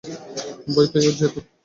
ভয় পেয়ে যেতো।